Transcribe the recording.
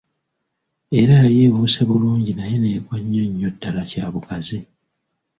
Era yali ebuuse bulungi naye n'egwa nnyo nnyo ddala kyabugazi.